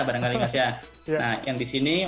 barangkali mas ya nah yang di sini